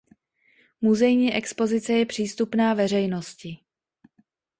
Muzejní expozice je přístupná veřejnosti.